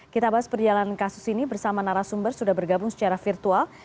kita bahas perjalanan kasus ini bersama narasumber sudah bergabung secara virtual